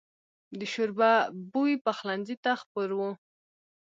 د شوربه بوی پخلنځي ته خپور و.